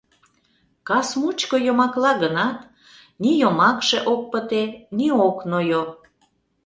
Кас мучко йомакла гынат, ни йомакше ок пыте, ни ок нойо.